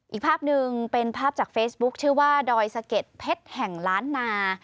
อีกภาพหนึ่งเป็นภาพจากเฟซบุ๊คชื่อว่าดอยสะเก็ดเพชรแห่งล้านนา